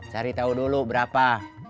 cari tau dulu berapa